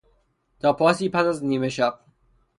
تا پاسی پس از نیمه شب